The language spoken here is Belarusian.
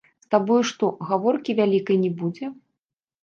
З табою што, гаворкі вялікай не будзе.